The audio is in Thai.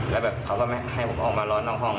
แล้วแบบเขาก็ไม่ให้ผมออกมาร้อนนอกห้อง